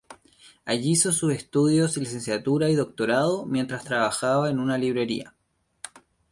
Allí hizo sus estudios, licenciatura y doctorado, mientras trabajaba en una librería.